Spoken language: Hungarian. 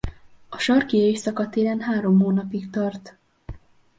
A sarki éjszaka télen három hónapig tart.